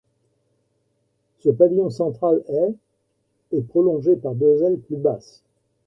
Ce pavillon central est et prolongé par deux ailes plus basses.